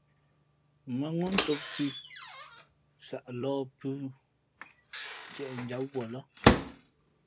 Mᾱŋú tōm thʉ̄, nsaʼ lōh pūh, ntieʼ njǎm wuα lά.